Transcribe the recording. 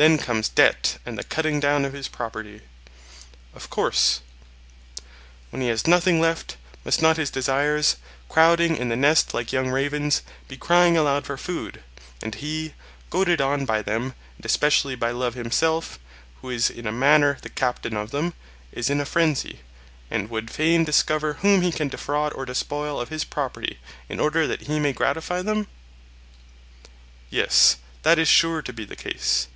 Then comes debt and the cutting down of his property. Of course. When he has nothing left, must not his desires, crowding in the nest like young ravens, be crying aloud for food; and he, goaded on by them, and especially by love himself, who is in a manner the captain of them, is in a frenzy, and would fain discover whom he can defraud or despoil of his property, in order that he may gratify them? Yes, that is sure to be the case.